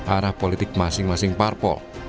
arah politik masing masing parpol